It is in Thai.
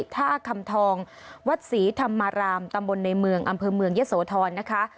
ท่าคำทองวัดศรีธรรมารามตำบลในเมืองอำเภอเมืองยะโสธรนะคะ